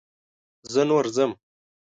زه نور ځم.